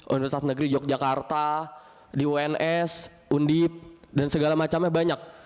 universitas negeri yogyakarta di uns undip dan segala macamnya banyak